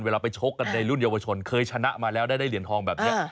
เวลาไปชกกันในรุ่นเยาวชนเคยชนะมาแล้วได้เหรียญทองแบบนี้